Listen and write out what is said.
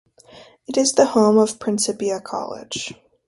It is the home of Principia College.